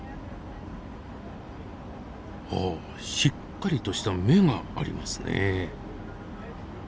ほうしっかりとした目がありますね。